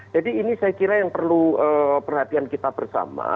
jadi ini saya kira yang perlu perhatian kita bersama